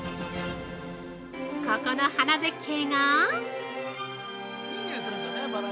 ここの花絶景が！